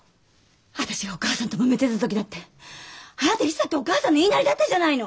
私がお義母さんともめてた時だってあなたいつだってお義母さんの言いなりだったじゃないの。